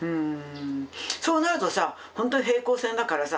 そうなるとさほんとに平行線だからさ